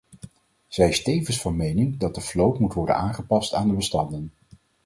Zij is tevens van mening dat de vloot moet worden aangepast aan de bestanden.